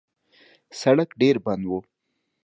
سړک ډېر بند و.